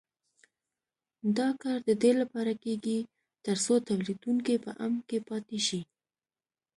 دا کار د دې لپاره کېږي تر څو تولیدوونکي په امن کې پاتې شي.